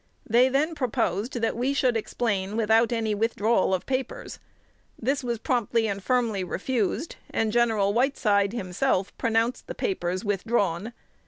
They then proposed that we should explain without any withdrawal of papers. This was promptly and firmly refused, and Gen. Whiteside himself pronounced the papers withdrawn.